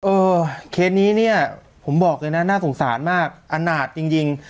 เออเคสนี้เนี่ยผมบอกเลยนะน่าสงสารมากอนาจจริง